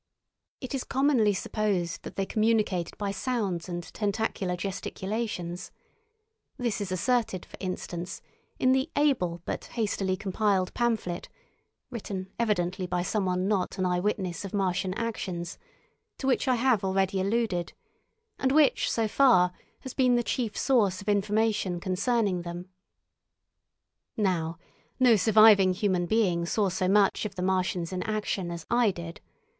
It is commonly supposed that they communicated by sounds and tentacular gesticulations; this is asserted, for instance, in the able but hastily compiled pamphlet (written evidently by someone not an eye witness of Martian actions) to which I have already alluded, and which, so far, has been the chief source of information concerning them. Now no surviving human being saw so much of the Martians in action as I did.